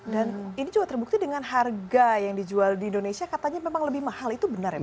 ini juga terbukti dengan harga yang dijual di indonesia katanya memang lebih mahal itu benar ya pak